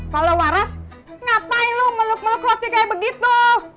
kalau waras ngapain lu meluk meluk roti kayak begitu